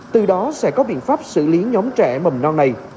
từ đó sẽ có biện pháp xử lý nhóm trẻ mầm non này